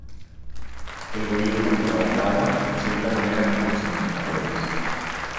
El gobierno colaboraba en cierta manera con los embajadores.